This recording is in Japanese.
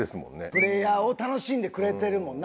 プレーヤーを楽しんでくれてるもんな。